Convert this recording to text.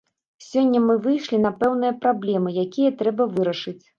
Сёння мы выйшлі на пэўныя праблемы, якія трэба вырашыць.